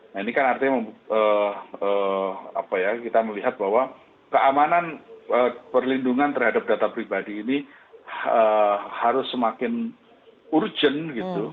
saya apa ya kita melihat bahwa keamanan perlindungan terhadap data pribadi ini harus semakin urgent gitu